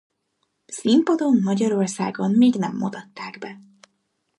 Színpadon Magyarországon még nem mutatták be.